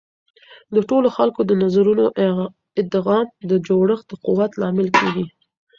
د ټولو خلکو د نظرونو ادغام د جوړښت د قوت لامل کیږي.